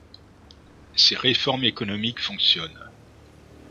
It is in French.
Ses réformes économiques fonctionnent.